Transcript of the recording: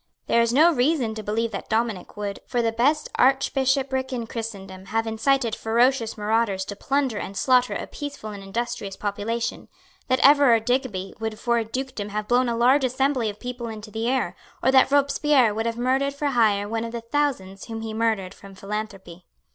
There is no reason to believe that Dominic would, for the best archbishopric in christendom, have incited ferocious marauders to plunder and slaughter a peaceful and industrious population, that Everard Digby would for a dukedom have blown a large assembly of people into the air, or that Robespierre would have murdered for hire one of the thousands whom he murdered from philanthropy.